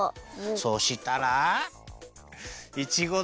そしたらいちごだ！